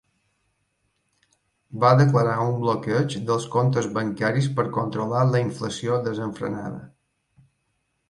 Va declarar un bloqueig dels comptes bancaris per controlar la inflació desenfrenada.